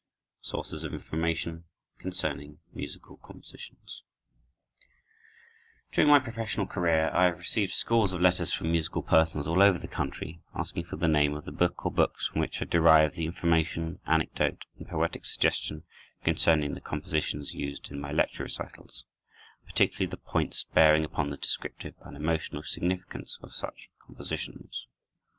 Sources of Information Concerning Musical Compositions During my professional career I have received scores of letters from musical persons all over the country, asking for the name of the book or books from which I derive the information, anecdote, and poetic suggestion, concerning the compositions used in my Lecture Recitals, particularly the points bearing upon the descriptive and emotional significance of such compositions.